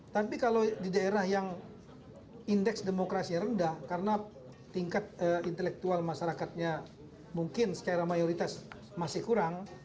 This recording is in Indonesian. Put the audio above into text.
tapi kalau di daerah yang indeks demokrasi rendah karena tingkat intelektual masyarakatnya mungkin secara mayoritas masih kurang